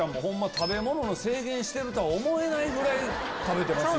食べ物の制限してるとは思えないぐらい食べてますよ。